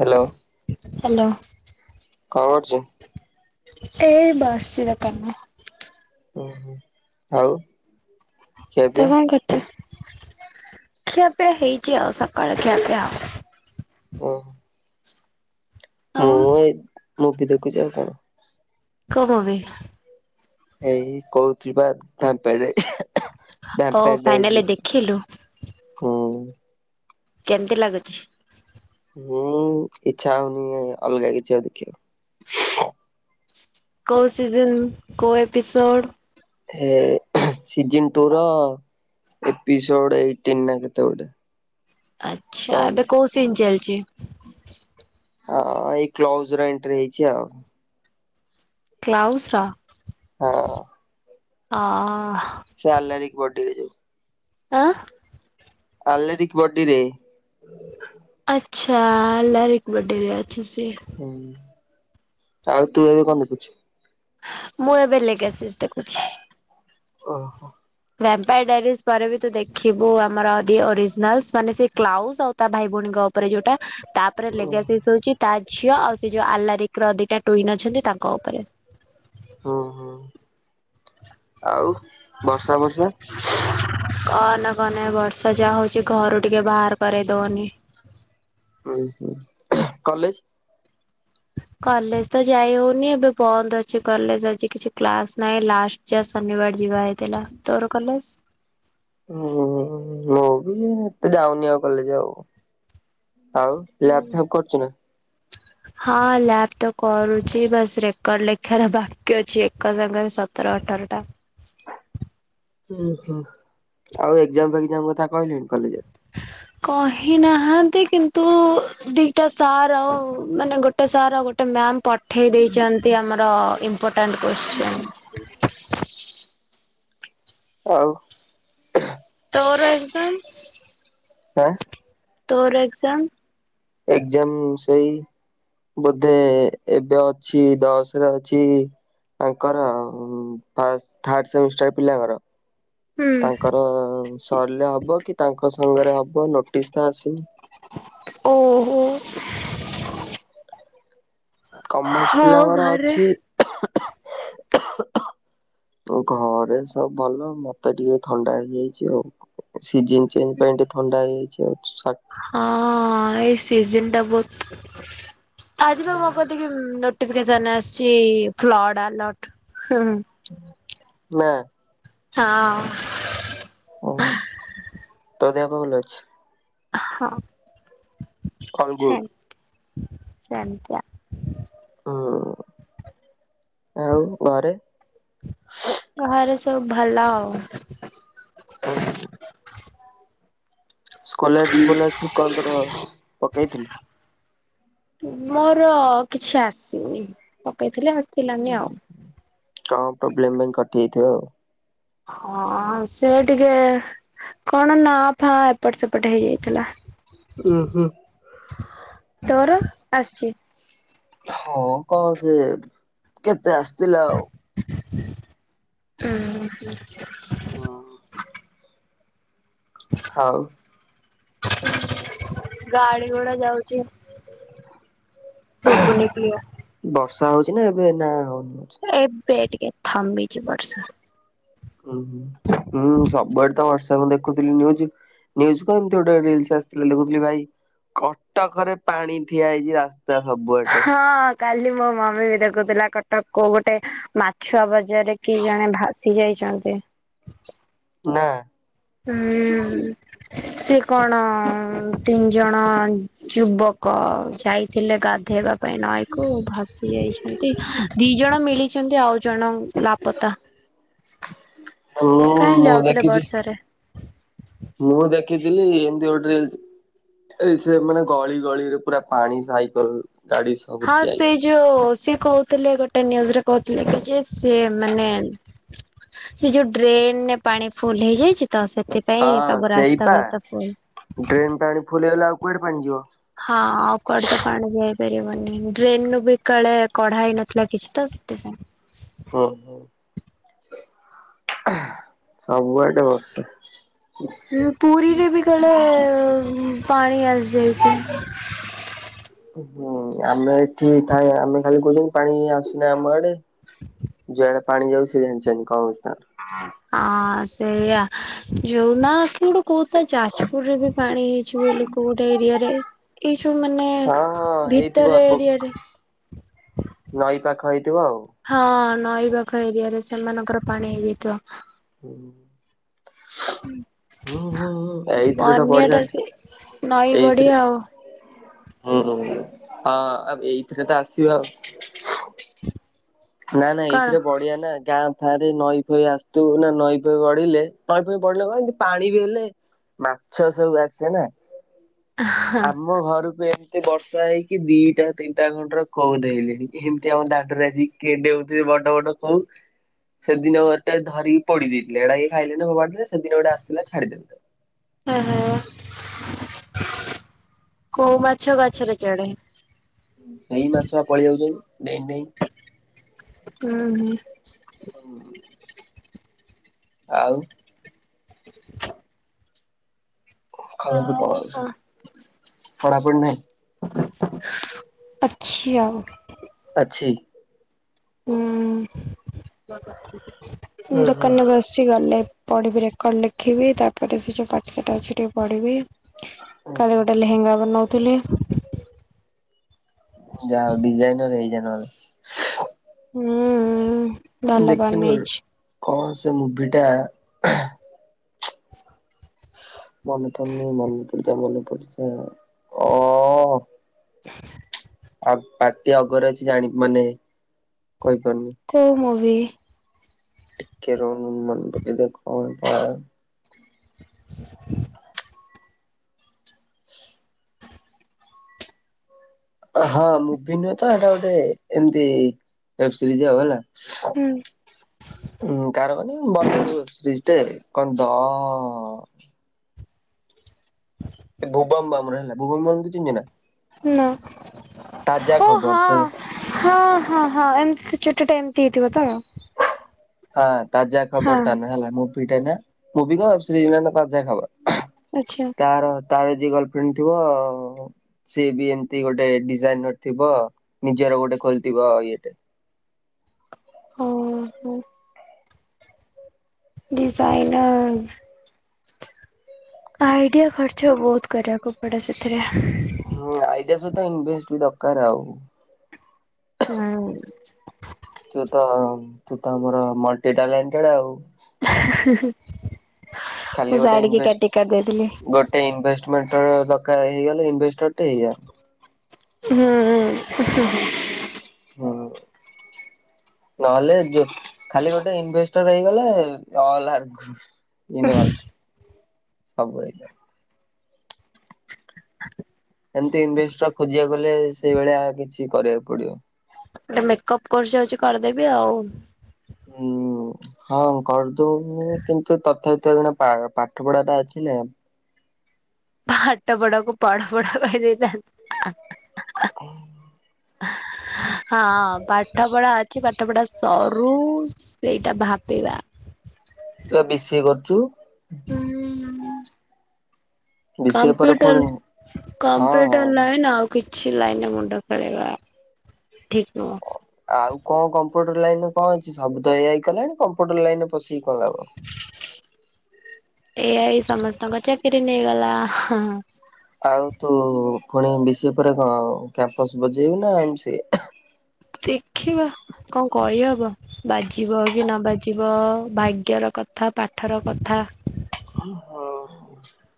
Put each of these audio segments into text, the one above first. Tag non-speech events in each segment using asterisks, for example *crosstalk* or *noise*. Hello? Hello! କଣ କରୁଛି? ଏଇ ବସଛି ଦୋକାନରେ। ଉଁ ହୁଁ ଆଉ! ଖିଆ ତୁ ପିଆ? କଣ କରୁଚୁ ଖିଆ ପିଆ ହେଇଛି ଆଉ ସକାଳ ଖିଆପିଆ ଆଉ। ଓ। ହଁ *unintelligible* ମୁଭି ଦେଖୁଛି ଆଉ କଣ। କୋଉ ମୁଭି? ଏଇ କହୁଥିଲି ପା ଧାପେଡ ଓ ଧାପେପେଜ୍ ଫାଇନାଲି *unintelligible* ଦେଖିଲୁ ହୁଁ କେମତି ଲାଗୁଛି? ହୁଁ ଇଛା ହଉନି ଅଲଗା କିଛି ଆଉ ଦେଖିବାକୁ। କୋଉ ସିଜନ୍ କୋଉ ଏପିସୋଡ଼୍? ଏ ସିଜନ୍ ଟୁ ର ଏପିସୋଡ ଏଇଟିନ୍ ନା କେତେ ଗୋଟେ। ଆଚ୍ଛା ଏବେ କଣ କୋଉ ସିିନ ଚାଲିଚି? ହଁ ଏଇ କ୍ଲଜ ର ଏଣ୍ଟ୍ରି ହେଇଛି ଆଉ। କ୍ଲାଉସ୍ର ର? ହଁ। ଅ ଅ। ସାଲାରି କଡିବି *unintelligible* ଆଁ! ଆଲେରିକ ବଡି ରେ। ଆଚ୍ଛା ଆଲାରିକ ବଡିରେ ଅଛିି ସିଏ ହୁଁ ଆଉ ତୁ ଏବେ କଣ ଦେଖୁଛୁ? ମୁଁ ଏବେ ଲେଗାସିସ୍ ଦେଖୁଛି।। ଓହୋ। ଭ୍ୟାପାଡାରିଜ ପରେ ବି ତୁ ଦେଖିବୁ ଆମର ଦି ଓରିଜିନାଲସ୍ ମାନେ ସେ କ୍ଲାଉଜ ଆଉ ତା ଭାଇ ଭଉଣୀଙ୍କ ଉପରେ ଯୋଉଟା ତା ପରେ ଲେଗାସିସ୍ ହଉଛି ତା ଝିଅ ଆଉ ସେ ଯୋଉ ଆଲାରିକ ର ଦିଟା ଟୁଇନ୍ ଅଛନ୍ତି ତାଙ୍କ ଉପରେ। ହୁଁ ହୁଁ ଆଉ ବର୍ଷା ବର୍ଷା! କହନା କହନା ଏ ବର୍ଷା ଯାହା ହଉଛି ଘରୁ ଟିକେ ବାହାର କରଇ ଦଉନି। ହୁଁ, ହୁଁ। କଲେଜ! କଲେଜ ତ ଯାଇ ହଉନି, ଏବେ ବନ୍ଦ ଅଛି କଲେଜ। ଆଜି କିଛି କ୍ଲାସ ନାହିଁ ଲାଷ୍ଟ- ଯା ଶନିବାର ଯିବା ହେଇଥିଲା। ତୋର କଲେଜ! ହୁଁ ମୁଁ ବି ଏତେ ଯାଉନି ଆଉ କଲେଜ ଆଉ, ଆଉ! ଲ୍ୟାପ, ହୁଁ। ଭ୍ୟପ କରିଛୁନା! ହଁ ଲ୍ୟାପତ କରୁଛି। ବାସ୍ ରେକର୍ଡ ଲେଖାର ବାକି ଅଛି। ଏକ ସାଙ୍ଗରେ ସତର, ଅଠରଟା। ହୁଁ, ହୁଁ। ଆଉ ଏକ୍ଜାମ, ଫ୍କେଜାମ କଥା କହିଲେଣି କଲେଜ ରେ? କହି ନାହାନ୍ତି କିନ୍ତୁ ଦିଟା ସାର୍ ଆଉ ମାନେ ଗୋଟେ- ଗୋଟେ ସାର୍ ଗୋଟେ ମ୍ୟାାମ ପଠେଇ ଦେଇଛନ୍ତି ଆମର ଇମ୍ପୋଟାଣ୍ଟ କୋଷ୍ଚିନ।। ବ *unintelligible* ଆଉ! ତୋର ଏକ୍ଜାମ? ଆଁ! ତୋର ଏକ୍ଜାମ? ଏକ୍ଜାମ ସେଇ- ବୋଧେ, ଏବେ ଅଛି ଦଶରେ ଅଛି- ତାଙ୍କର ଫାଷ୍ଟ, ଥାର୍ଡ ସେମିଷ୍ଟାର ପିଲାଙ୍କର- ହୁଁ ତାଙ୍କର ସରିଲେ ହବ, କି ତାଙ୍କ ସାଙ୍ଗରେ ହବ, ନୋଟିସ ତ ଆସିନି। ଓହୋ। କମର୍ସ ହଉ ପିଲାଙ୍କର ଘରେ ଅଛି। ତୋ ଘରେ ସବୁ ଭଲ। ମତେ ଟିକେ ଥଣ୍ଡା ହେଇଯାଇଛି ଆଉ। ସିଜନ୍ ଚେଞ୍ଜ ପାଇଁ ଟିକେ ଥଣ୍ଡା ହେଇଯାଇଛି ଆଉ। ହଁ ଏଇ ସିଜନ ଟା ବହୁତ, ଆଜିିବା ମୁଁ କତି କିି ନୋଟିଭକେସନ ଆସିଛି ଫ୍ରଡ ଆଲର୍ଟ। ନା। ହଁ। ଓୋ। ତୋ ଦେହ ପା ଭଲ ଅଛି। ହଁ ଅଲ ଗୁଡ ସେମତି, ସେମିତି ଆଉ। ହଁ। ଆଉ ଘରେ? ଘରେ ସବୁ ଭଲ ଆଉ। ଓହୋ। ସ୍କଲାରସିପ୍, ଫଲାରସିପ୍ କଣ ତୋର ପକେଇଥିଲୁ? ମୋର କିଛି ଆସିନି, ପକେଇଥିଲେି ଆସିଲାନି ଆଉ। କଣ ପ୍ରୋବ୍ଲେମ ପାଇଁ କଟିଯାଇଥିବ ଆଉ। ହଁ, ସେ ଟିକେ- କଣ ନା, ଫାଁ ଏପଟ, ସେପଟ ହେଇଯାଇଥିଲା। ଓହୋ। ତୋର ଆସଚି। ହଁ, କଣ ସେ କେତେ ଆସିଥିଲା ଆଉ। ଓ, ହଁ। ହଁ। ହଉ। ଗାଡି ଗୋଡା ଯାଉଚି। ସୁଗୁନି କ୍ଲିୟର। ବର୍ଷା ହଉଛି ନା ଏବେ ନା ହଉନି। ଏବେ ଟିକେ ଥାମିଛି ବର୍ଷା। ହୁଁ ହୁଁ ମୁଁ ସବୁଆଡେ ତ ହ୍ୱାଟସପ ଦେଖୁଥିଲି ନ୍ୟୁଜ୍ ନ୍ୟୁଜ କଣ ଏମତି ଗୋଟେ ରିଲସ ଆସିଥିଲା ଦେଖୁଥିଲି ଭାଇ କଟକରେ ପାଣି ଠିଆ ହେଇଛି ରାସ୍ ହଁ କାଲି ମୋ ମମି ବି ଦେଖୁଥିଲା କଟକ କୋଉ ଗୋଟେ ମାଛୁଆ ବ ରେ କି ଜଣେ ଭାସି ଯାଇଛନ୍ତି। ନା। ହୁଁ ସେ କଣ ତିନି ଜଣ ଯୁବକ ଯାଇଥିଲେ ଗାଧେଇବା ପାଇଁ ନଈକୁ ଭାସି ଯାଇଛନ୍ତି ଦି ଜଣ ମିଳିଛନ୍ତି ଆଉ ଜଣ ଲାପତା? ମୁଁ କାହିଁ ମୁଁ ଯାଉଥିଲେ ଦେଖିଛି ବର୍ଷାରେ? ମୁଁ ଦେଖିଥିଲି ଏମିତି ଗୋଟେ ରିଲସ୍ ଏଇ ସେ ମାନେ ଗଳି ଗଳିରେ ପୁରା ପାଣି ସାଇକେଲ ଗାଡି ସବୁ ହଁ ଠିଆ ସେ ହେଇଛି। ଯୋଉ ସେ କହୁ ଥିଲେ ଗୋଟେ ନ୍ୟୁଜରେ କହୁଥିଲେ କି ଯେ ସିଏ ମାନେ ସେ ଯୋଉ ଡ୍ରେନରେ ପାଣି ଫୁଲ ହେଇଯାଇଛି ତ ସେଥିପାଇଁ ସବୁ ରାସ୍ତା ଘାସ୍ତା ଫୁଲ ଡ୍ରେନ୍ ପାଣି ଫୁଲ ହେଇଗଲେ ଆଉ କୁଆଡେ ପାଣି ଯିବ? ହଁ ଆଉ କୁଆଡେ ତ ପାଣି ଯାଇପାରିବନି ଡ୍ରେନରୁ ବି କାଳେ କଢା ହେଇନଥିଲା କିଛି ତ ସେଥିପାଇଁ। ହ ହୋ ସବୁ ଏଟେ ବଛେ। ପୁରୀରେ ବି କାଳେ ପାଣି ଆସିଯାଇଛି। ହୁଁ ଆମେ ଏଠି ଥାଏ ଆମେ ଖାଲି କହୁଛନ୍ତି ପାଣି ଆସୁନା ଆମ ଆଡେ ଯୁଆଡେ ପାଣି ଯାଉ ସେ ଜାଣିଛନ୍ତି କଣ? ହଁ ସେଇଆ ଯୋଉନା କି ଗୋଟେ କହୁଥିଲା ଯାଜପୁରରେ ବି ପାଣି ହେଇଯିବ ଲୋକ ଗୋଟେ ଏରିଆରେ ଏଇ ଯୋଉ ମାନେ ହଁ ହଁ ହେଇଥିବ ଭିତର ପୋ ଏରିଆରେ ନଈ ପାଖ ହେଇଥିବ ଆଉ ହଁ ନଈପାଖ ଏରିଆରେ ସେମାନଙ୍କର ପାଣି ହେଇଯାଇଥିବ। ହୁଁ। ଏଇଥିରେ ତ ବନ୍ୟା ବଢିଆ ଟା ସେ ନଈ ବଢି ଏଇଥିରେ ଆଉ ହୁହୁ ହଁ ଏଇଥିରେ ତ ଆସିବ ଆଉ ନା-ନା କଣ ଏଇଥିରେ ବଢିଆ ନା ଗାଁ ଆରେ ନଈ ଫଇ ଆସୁଥିବୁ ନା ନଈଫଇ ବଢିଲେ ନଈଫଇ ପଢିଲେ କଣକି ପାଣି ବଢିଲେ ମାଛ ସବୁ ଆସେନା ହଁ ଆମ ଘରକୁ ଏ ଏ ବର୍ଷା ହେଇକି ଦିଟା ତିନିଟା ଘଣ୍ଟାରୁ କଉ ଧଇଲିଣି ଏମିତି ଆମ ଦାଣ୍ଡରେ ଆଜି କିନ୍ତି ଦେଉଁଥିବେ ବଡ-ବଡ କଉ। ସେଦିନ ଗୋଟେ ଧିରିକି ପୋଡି ଦେଇଥିଲି ଏଟାକ ଖାଇଲେଣି ଫୋପାଡି ଦେଲେ ସେଦିନ ଗୋଟେ ଆସିଲା ଛାଡିଦେଲି। ଏହେ କଉ ମାଛ ଗଛରେ ଚଢେ। ସେଇ ମାଛବା ପଳେଇ ଯାଉଛନ୍ତି ଡେଇଁଡେଇଁ। ହୁଁ ହୁଁ। ଆଉ ଖବର ସବୁ କଣ ଅଛି ପଢ଼ାପଢ଼ି ନାଇଁ? ଅଛି ଆଉ ଅଛି। ହୁଁ ହୁଁ ହୁଁ। ଦୋକାନରେ ଅଛି। ଅଛି ଗଲେ ପଢିବି ରେକର୍ଡ ଲେଖିବି ତାପରେ ସେ ଯୋଉ ପାଠଶାଠ ଅଛି ଟିକେ ପଢିବି। କାଲି ଗୋଟେ ଲେହେଙ୍ଗା ବନଉଥିଲି। ଯାହା ହଉ ଡିଜାଇନର ହେଇଯା ନହେଲେ। ଭଲ ଦେଖିନୁ କେବେ ବନେଇଛି କଣସେ ମୁଭିଟା ମନେ ପଡ଼ୁନି ମନେ ପଡିଯା ମନେ ପଡୁଯା ଅ ଅ *inaudible* ଆ ପାଟି ଅଗରେ ଅଛି ଜାଣି ମାନେ କହିପାରୁନି। କୋଉ ମୁଭି? ଟିକେ ରହ ମୁଁ ମନେ ପକେଇଦିଏ କଁ ହେଟା *inaudible* *inaudible* ହଁ ମୁଭି ନୁହେଁତ ଏଟା ଗୋଟେ ଏମତି ୱେବ୍ସିରିଜ ଆଉ ହେଲା। କାହାର କନି ବଲିଉଡ୍ ୱେବସିରିଜ ତେ କନ୍ଦ ଭୁବମ୍ ବାମରେ ହେଲା ଭୁବମ୍ ବାମ୍ କୁ ଚିହ୍ନିଚୁନା? ନାଁ। ତାଜା ଖବର ସେଇ ହଁ-ହଁ-ହଁ ଏମିତି ଚୁଟିଟା ଏମିତି ହେଇଥିବତ? ହଁ ତାଜା ଖବର ତାନା ହେଲା ମୁଭିଟାନା ମୁଭି କଣ ୱେବ୍ସିରିଜର ନାଁ ତାଜା ଖବର। ଆଚ୍ଛା। ତାର-ତାର ଯିଏ ଗର୍ଲଫ୍ରେଣ୍ଡ ଥିବ ସିଏବି ଏମିତି ଗୋଟେ ଡିଜାଇନର ଥିବ ନିଜର ଗୋଟେ ଖୋଲିଥିବ ଇଏଟେ ଓହୋ। ଡିଜାଇନର। ଆଇଡ଼ିଆ ଖର୍ଚ୍ଚ ବହୁତ୍ କରିବାକୁ ପଡ଼େ ସେଥିରେ। ହୁଁ ଆଇଡିଆ ସହିତ ଇନଭେଷ୍ଟ ଦରକାର ଆଉ। ହୁଁ। ତୁତ-ତୁତ ଆମର ମଲଟି ଟାଲେନ୍ଟେଡ୍ ଆଉ। ମୁଁ ସାଇଡ଼ିକି କାଟି କରିଦେଇଥିଲି। ଇନଭେଷ୍ଟମେଣ୍ଟର ଦରକାର ହେଇଗଲେ ଇନେଷ୍ଟରଟେ ଏଇଆ। ହୁଁ ଉଁ ହୁ ହୁ। ହଁ। ନହେଲେ ଯଉ ଖାଲି ଗୋଟେ ଇନଭେଷ୍ଟର ହେଇଗଲେ *unintelligible* ଇନଓଟ ସବୁ ହେଇଯିବା। ଏମିତି ଇନଭେଷ୍ଟା ଖୋଜିବାକୁ ଗଲେ ସେଇଭଳିଆ କିଛି କରିବାକୁ ପଡ଼ିବ। ଗୋଟେ ମେକଅପ୍ କ୍ରୋର୍ସ ଯାଉଚି କରିଦେବି ଆଉ। ଉୁଁ ହଁ କରିଦଉନୁ କିନ୍ତୁ ତଥାପି ତୁ ଏଇକ୍ଷିଣା ପା ପାଠପଢାଟା ଅଛି ନା ପାଠପଢା କୁ ପାଡପଡା କହି ଦେଇଥାନ୍ତି। ହୁଁ। ହଁ ପାଠ ପଢା ଅଛି ପାଠ ପାଠପଢ ସରୁ ସେଇଟା ଭାବିବା। ତୁବା ବିସି କରୁଚୁ? ହୁଁ ହୁଁ ହୁଁ। ବି ସି ଏ ପରେ କମ୍ପ୍ୟୁଟର ପୁଣି ହଁ ହଁ। କମ୍ପ୍ୟୁଟର ଲାଇନ୍ ଆଉ। କିଛି ଲାଇନରେ ମୁଣ୍ଡ ଖେଳେଇବା ଠିକ୍ ନୁହଁ। ଆଉ କଣ କମ୍ପ୍ୟୁଟର ଲାଇନରେ କଣ ଅଛି ଶବୁତ ଏଆଇ କଲାଣି କମ୍ପ୍ୟୁଟର ଲାଇନରେ ପଶିକି କଣ ଲାଭ। ଏଆଇ ସମସ୍ତଙ୍କ ଚାକିରି ନେଇଗଲା ହଁ। ଆଉ ତୁ ପୁଣି ବିସିଏ ପରେ କଣ କ୍ୟାମ୍ପସ ବଜେଇବୁ ନାଁପୁଣି ଏମସି ଏ? ଦେଖିବା କଣ କହିହବ। ବାଜିବ କି ନ ବାଜିବ ଭାଗ୍ୟର କଥା ପାଠର କଥା। ହଉ।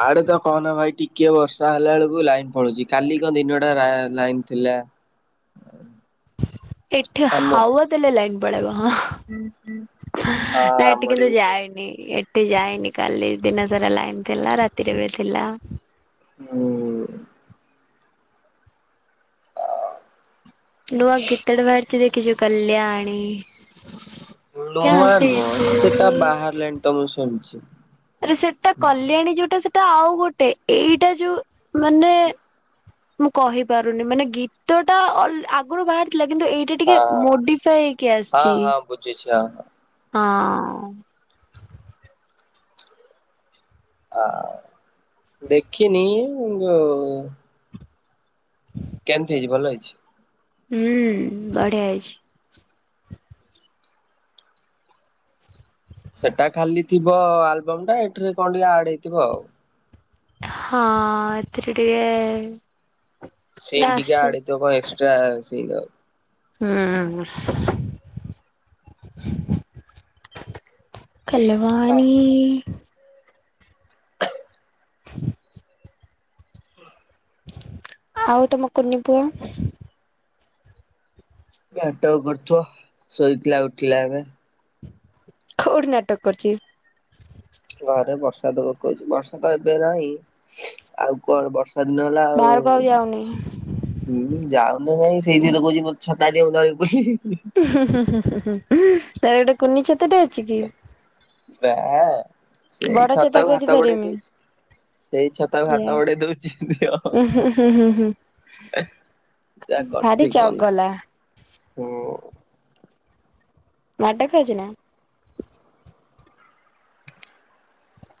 ଆଡେ ତ କହନା ଭାଇ ଟିକେ ବର୍ଷା ହେଲା ବେଳକୁ ଲାଇନ ପଳଉଛି କାଲି କଣ ଦିନ ଟା ଲାଇନ୍ ଥିଲା। *inaudible* ଏଠି ଆମ ହଁ ହାୱା ଦେଲେ ଲାଇନ୍ ପଳେଇବ ହଁ। ନା ଏଠି ଆମର କିନ୍ତୁ ବି ସେମିତି ଯାଏନି। ଏଠି ଯାଇନି କାଲି ଦିନ ସାରା ଲାଇନ ଥିଲା ରାତିରେ ବି ଥିଲା। ହୁଁ। ନୂଆ ଗୀତ ଟା ବାହାରିଛି ଦେଖିଛୁ। କଲ୍ୟାଣୀ। କ୍ୟା ନୂଆ ଫିର୍ ନୁହଁ ତୁ ସେଟା ବାହାରିଲାଣି ତ ମୁଁ ଶୁଣିଛି। ଆରେ ସେଟା କଲ୍ୟାଣୀ ଯୋଉଟା ସେଟା ଆଉ ଗୋଟେ ଏଇଟା ଯୋଉ ମାନେ ମୁଁ କହିପାରୁନି ମାନେ ଗୀତ ଟା ଆଗରୁ ବାହାରିଥିଲା କିନ୍ତୁ ଏଇ ଏଇଟା ଟିକେ ହଁ। ମୋଡିଫାଇ ହେଇକି ହଁ ଆସିଛି ହଁ ବୁଝୁଛି ହଁ ହଁ। ଆ ଦେଖିନି ଯଉ କେମିତି ହେଇଛି ଭଲ ହେଇଛି। ହୁଁ ବଢିଆ ହେଇଛି। ସେଟା ଖାଲି ଥିବ ଆଲବମ ଟା ଏଠାରେ କଣ ଟିକେ ଆଡ ହେଇଥିବ ଆଉ। ହଁ ଏଥିରେ ଟିକେ। ସୀନ ଟିକେ ଆଡ଼ ନାସ ହେଇଥିବ କଣ ଟିକେ ଏକ୍ସଟ୍ରା ସୀନ ଆଉ। ହୁଁ। କଲବାଣୀ। *inaudible* ଆଉ ତମ କୁନି ପୁଅ? ନାଟକ କରୁଥିବ ଶୋଇଥିଲା ଉଠିଲା ଏବେ। କଉଠି ନାଟକ କରୁଛି। ଘରେ ବର୍ଷା ଦ ପକଉଛି ବର୍ଷା ତ ଏବେ ନାହିଁ ଆଉ କଣ ବର୍ଷା। ସଦନଲା ଆଉ। ବାହାରକୁ ଯାଉନି ହୁଁ ଯାଉନି ଯାଇଁ ସେଇଥିରେ କହୁଛି ମତେ ଛତା ଧରି ବୁଲିବି। ହୁଁ ହୁଁ ହୁଁ ତାର ଗୋଟେ କୁନି ଛତା ଟା ଅଛି କି? ନାଁ ସେଇ ବଡ ଛତା ଛତାକୁ କହୁଛି ହାତ ବଢେଇ ଧରିମି ଦଉଛି। ସେଇ ଛତାକୁ ହାତ ଯା ବଡେଇ ଦଉଛି ଦିଅ ଉଁ ହୁଁ ହୁଁ ହୁଁ ହୁଁ ଯା ଭାରି କରୁଛି କହନା ଚଗଲା ହୁଁ। ମାଡ ଖାଉଛି ନା।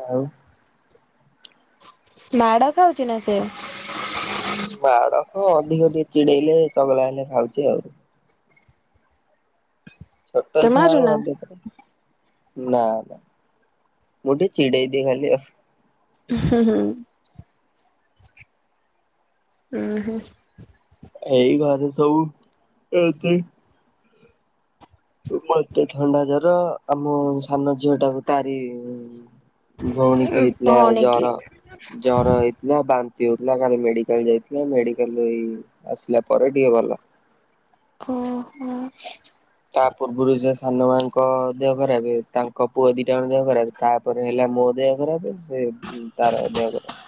ଆଉ ମାଡ଼ ଖାଉଛି ନା ସେ? ମାଡ ହଁ ଅଧିକ ଟିକେ ଚିଡେଇଲେ ଚଗଲା ହେଲେ ଖାଉଛି ଆଉ। ଛୋଟ ତୁ ଛୁଆ ଆଉ ମାରୁନା? ଏବେତ ନା ନା ମୁଁ ଟିକେ ଚିଡେଇ ଦିଏ ଖାଲି ଆଉ। ହୁଁ ହୁଁ। ହୁଁ ହୁଁ। ଏଇ ଘରେ ସବୁ ଏ ମତେ ଥଣ୍ଡା ଜର ଆମ ସାନ ଝିଅ ଟାକୁ ତାରି ଭଉଣି କି ହେଇଥିଲା ଭଉଣୀ କି ଜର ଜର ହେଇଥିଲା। ଥିଲା ବାନ୍ତି ହଉଥିଲା କାଲି ମେଡିକାଲ ଯାଇଥିଲା ମେଡିକାଲରୁ ହେଇ ଆସିଲା ପରେ ଟିକେ ଭଲ। ଉ ହୁଁ। ହ ତା ପୂର୍ବରୁ ସେ ସାନ ଭାଈଙ୍କ ଦେହ ଖରାପ ତାଙ୍କ ପୁଅ ଦିଟା ମାନ ଦେହ ଖରାପ ତା ତାପରେ ହେଲା ମୋ ଦେହ ଖରାପ ସେ ତାର ଦେହ ଖରାପ।